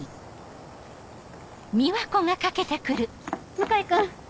向井君！